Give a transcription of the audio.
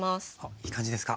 いい感じですか？